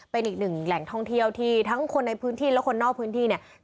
เป็นอีกหนึ่งแหล่งท่องเที่ยวที่ทั้งคนในพื้นที่และคนนอกพื้นที่เนี่ย